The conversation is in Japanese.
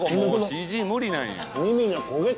ＣＧ無理なんや。